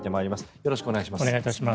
よろしくお願いします。